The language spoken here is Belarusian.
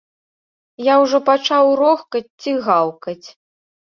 Я ўжо пачаў рохкаць ці гаўкаць!